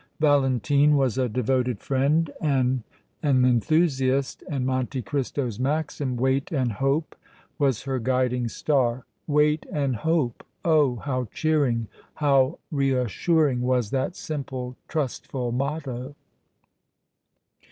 Valentine was a devoted friend and an enthusiast, and Monte Cristo's maxim, "Wait and Hope," was her guiding star. "Wait and Hope!" Oh! how cheering, how reassuring was that simple, trustful motto!